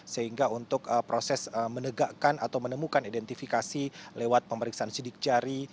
sehingga untuk proses menegakkan atau menemukan identifikasi lewat pemeriksaan sidik jari